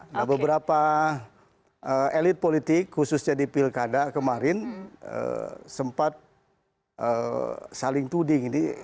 nah beberapa elit politik khususnya di pilkada kemarin sempat saling tuding